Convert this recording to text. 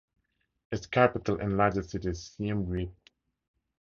Its capital and largest city is Siem Reap.